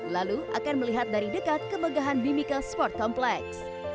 lalu akan melihat dari dekat kemegahan bimika sport complex